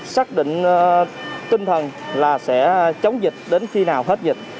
xác định tinh thần là sẽ chống dịch đến khi nào hết dịch